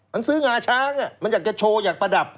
มันซื้องาช้างมันอยากจะโชว์อยากประดับ